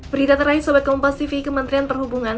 berita terakhir sobat kompas tv kementerian perhubungan